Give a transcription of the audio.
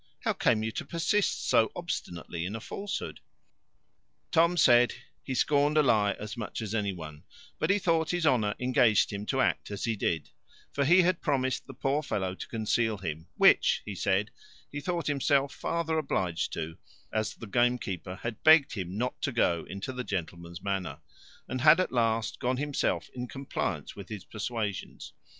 How came you to persist so obstinately in a falsehood?" Tom said, "He scorned a lie as much as any one: but he thought his honour engaged him to act as he did; for he had promised the poor fellow to conceal him: which," he said, "he thought himself farther obliged to, as the gamekeeper had begged him not to go into the gentleman's manor, and had at last gone himself, in compliance with his persuasions."